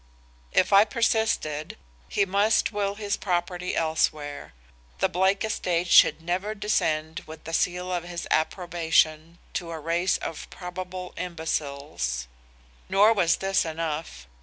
If I persisted, he must will his property elsewhere. The Blake estate should never descend with the seal of his approbation to a race of probable imbeciles. "Nor was this enough.